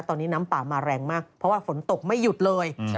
ตอนนี้น้ำป่ามาแรงมากเพราะว่าฝนตกไม่หยุดเลย